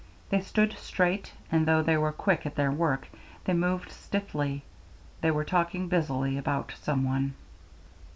They stood straight, and though they were quick at their work they moved stiffly; they were talking busily about some one.